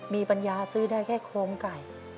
มีปัญญาซื้อได้แค่โครงไก่